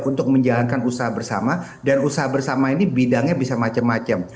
untuk menjalankan usaha bersama dan usaha bersama ini bidangnya bisa macam macam